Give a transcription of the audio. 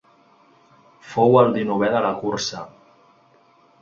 Fou el dinovè de la cursa.